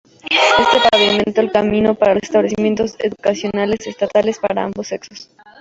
Esto pavimentó el camino para los establecimientos educacionales estatales para ambos sexos.